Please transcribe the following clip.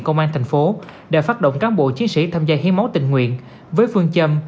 công an thành phố đã phát động cán bộ chiến sĩ tham gia hiến máu tình nguyện với phương châm